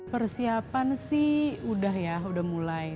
persiapan sih udah ya udah mulai